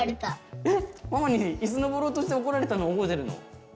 えっママにイスのぼろうとして怒られたの覚えてるの？